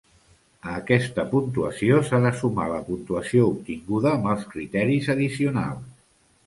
A aquesta puntuació s'ha de sumar la puntuació obtinguda amb els criteris addicionals.